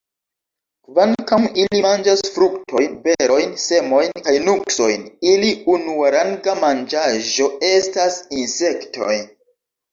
Kvankam ili manĝas fruktojn, berojn, semojn kaj nuksojn, ili unuaranga manĝaĵo estas insektoj.